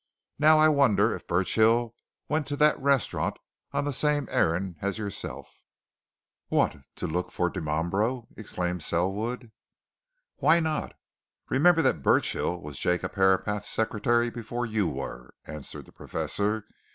Now, I wonder if Burchill went to that restaurant on the same errand as yourself?" "What! to look for Dimambro?" exclaimed Selwood. "Why not? Remember that Burchill was Jacob Herapath's secretary before you were," answered the Professor.